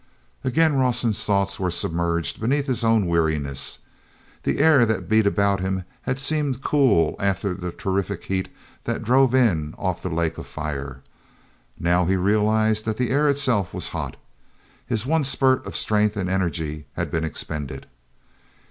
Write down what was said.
Again Rawson's thoughts were submerged beneath his own weariness. This air that beat about him had seemed cool after the terrific heat that drove in off the Lake of Fire. Now he realized that the air itself was hot. His one spurt of strength and energy had been expended.